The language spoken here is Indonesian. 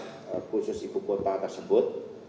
khusus ibu kota tersebut